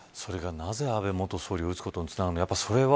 それが、なぜ安倍元総理を撃つことにつながるのか